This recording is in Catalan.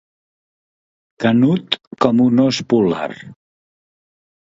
Canut com un ós polar.